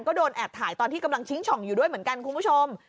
ก็โดนแอบถ่ายตอนที่กำลังชิงช่องอยู่ด้วยเหมือนกันคุณผู้ชม